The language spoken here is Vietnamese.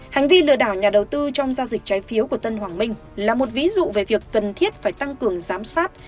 hành vi lừa đảo nhà đầu tư trong giao dịch trái phiếu của tân hoàng minh là một ví dụ về việc cần thiết phải tăng cường giám sát